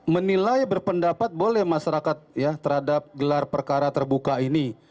menilai berpendapat boleh masyarakat ya terhadap gelar perkara terbuka ini